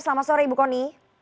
selamat sore ibu kony